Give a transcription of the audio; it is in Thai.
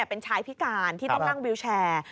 เป็นชายพิการที่ต้องนั่งวิวแชร์